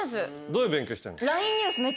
どういう勉強してんの？